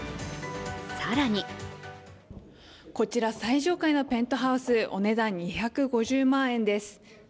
更にこちら、最上階のペントハウス、お値段２５０万円です。